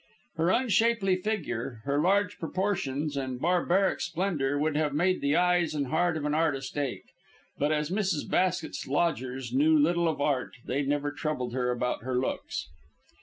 Her unshapely figure, her large proportions and barbaric splendour, would have made the eyes and heart of an artist ache; but as Mrs. Basket's lodgers knew little of art, they never troubled about her looks.